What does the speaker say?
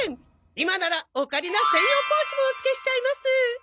今ならオカリナ専用ポーチもお付けしちゃいます。